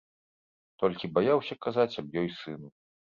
Толькі баяўся казаць аб ёй сыну.